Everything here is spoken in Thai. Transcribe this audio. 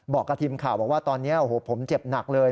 บอกกับทีมข่าวว่าตอนนี้ผมเจ็บหนักเลย